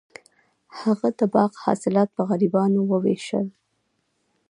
هغه د باغ حاصلات په غریبانو وویشل.